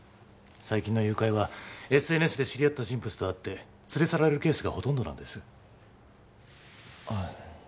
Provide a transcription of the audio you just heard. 最近の誘拐はＳＮＳで知り合った人物と会って連れ去られるケースがほとんどなんですあ